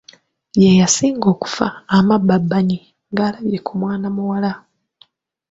Ye yasinga okufa amabbabbanyi ng’alabye ku mwana muwala.